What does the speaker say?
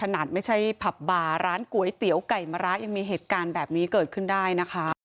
ไม่ใช่ผับบาร์ร้านก๋วยเตี๋ยวไก่มะระยังมีเหตุการณ์แบบนี้เกิดขึ้นได้นะคะ